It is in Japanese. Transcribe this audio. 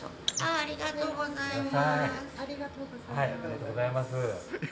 ありがとうございます。